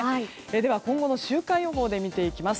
では、今後の週間予報で見ていきます。